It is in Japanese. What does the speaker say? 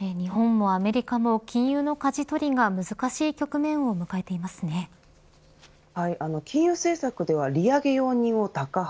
日本もアメリカも金融のかじ取りが難しい局面を金融政策では利上げ容認をタカ派